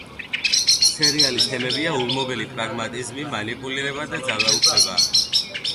სერიალის თემებია ულმობელი პრაგმატიზმი, მანიპულირება და ძალაუფლება.